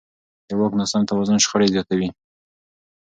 د واک ناسم توازن شخړې زیاتوي